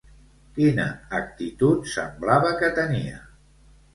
Quina actitud semblava que tenia?